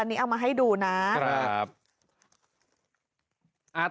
อันนี้เอามาให้ดูนะ